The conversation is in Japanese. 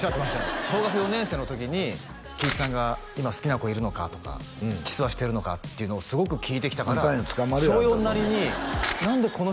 小学４年生の時に貴一さんが「今好きな子いるのか」とか「キスはしてるのか」っていうのをすごく聞いてきたから小４なりに「何でこの人は」